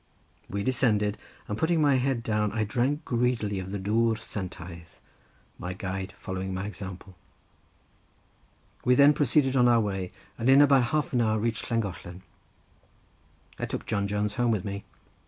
We descended, and putting my head down, I drank greedily of the dwr santaidd, my guide following my example. We then proceeded on our way, and in about half an hour reached Llangollen. I took John Jones home with me.